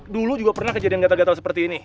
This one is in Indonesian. dulu juga pernah kejadian gatal gatal seperti ini